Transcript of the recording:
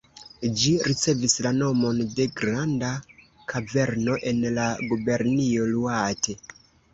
Ĝi ricevis la nomon de granda kaverno en la gubernio Iŭate.